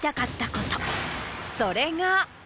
それが。